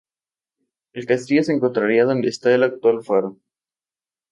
El castillo se encontraría donde está el actual faro.